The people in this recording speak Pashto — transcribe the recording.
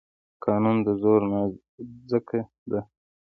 قانون د زور نانځکه ده.